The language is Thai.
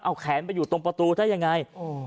เอาแขนไปอยู่ตรงประตูได้ยังไง